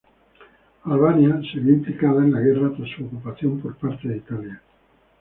Albania se vio implicada en la guerra tras su ocupación por parte de Italia.